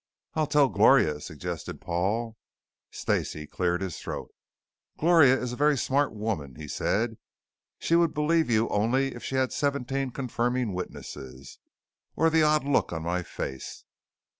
"I'll tell Gloria," suggested Paul. Stacey cleared his throat. "Gloria is a very smart woman," he said. "She would believe you only if she had seventeen confirming witnesses or the odd look on my face.